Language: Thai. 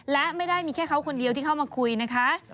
และไม่ได้มีแค่เขาคนเดียวที่เข้ามาคุยนะคะ